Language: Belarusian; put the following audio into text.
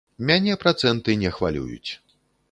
Мяне працэнты не хвалююць.